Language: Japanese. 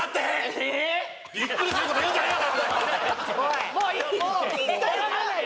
えーっ？ビックリすること言うんじゃねえよ！